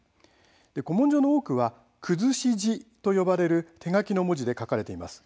古文書の多くはくずし字と呼ばれる手書きの文字で書かれています。